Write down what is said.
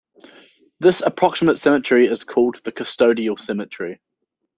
This approximate symmetry is called the custodial symmetry.